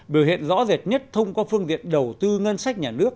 biểu hiện rõ rệt nhất thông qua phương diện đầu tư ngân sách nhà nước